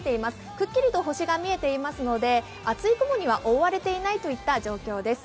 くっきりと星が見えていますので、厚い雲には覆われていないといった状況です。